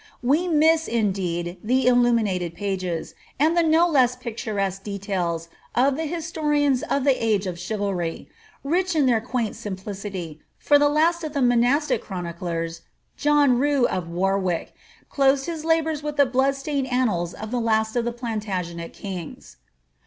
We miss, indeed, the illuminated pages, and the no less picturesque details of the historians of the bge of chiralry, rich in their quaint simplicity, for the last of the monastic chroniclers, John Rous, of Warwick, closed his labours with the blood stained annals of the last of the Plantagenet kings.